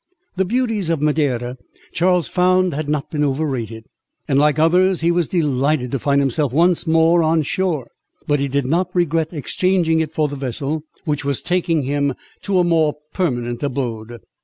The beauties of Madeira Charles found had not been overrated, and like others, he was delighted to find himself once more on shore; but he did not regret exchanging it for the vessel, which was taking him to a more permanent abode.